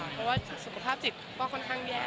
เพราะว่าสุขภาพจิตก็ค่อนข้างแย่